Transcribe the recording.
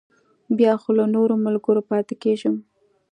بیا خو له نورو ملګرو پاتې کېږم.